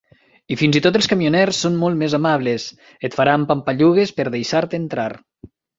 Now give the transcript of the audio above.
I fins i tot els camioners són molt més amables; et faran pampallugues per deixar-te entrar.